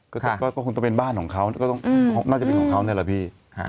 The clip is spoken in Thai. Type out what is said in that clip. ค่ะก็คงต้องเป็นบ้านของเขาน่าจะเป็นของเขาน่ะล่ะพี่